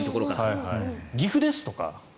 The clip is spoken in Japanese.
岐阜ですとか。